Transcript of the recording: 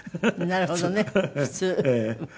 なるほどね。